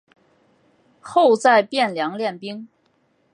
后在汴梁练兵。